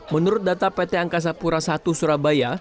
menurut data pt angkasa pura i surabaya